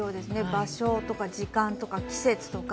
場所とか時間とか季節とか。